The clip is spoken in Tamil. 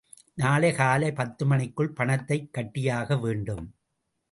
நாளை காலை பத்து மணிக்குள் பணத்தைக் கட்டியாக வேண்டும்.